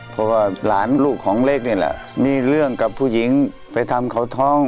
เพราะว่าหลานลูกของเล็กนี่แหละมีเรื่องกับผู้หญิงไปทำเขาท้อง